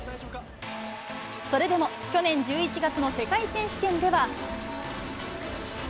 それでも去年１１月の世界選手権では。